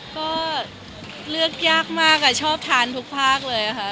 ก็เลือกยากมากชอบทานทุกภาคเลยค่ะ